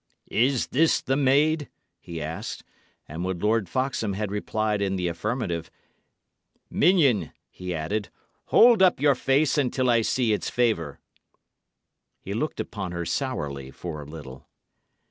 "Is this the maid?" he asked; and when Lord Foxham had replied in the affirmative, "Minion," he added, "hold up your face until I see its favour." He looked upon her sourly for a little.